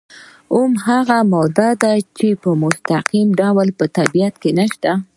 اومه ماده هغه ده چې په مستقیم ډول په طبیعت کې نشته.